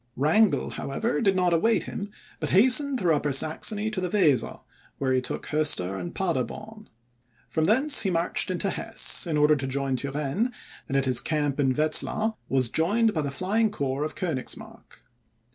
Wrangel, however, did not await him, but hastened through Upper Saxony to the Weser, where he took Hoester and Paderborn. From thence he marched into Hesse, in order to join Turenne, and at his camp at Wetzlar, was joined by the flying corps of Koenigsmark.